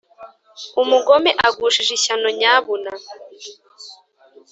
umugome agushije ishyano nyabuna